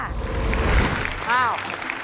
อ้าว